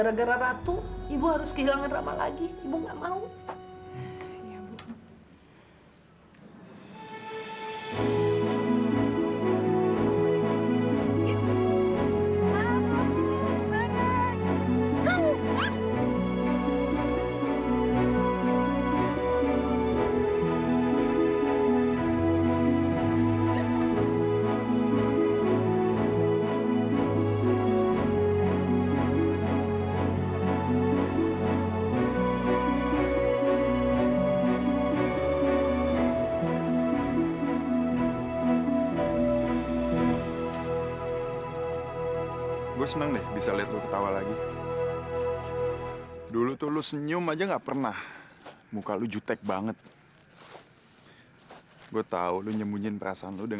sampai jumpa di video selanjutnya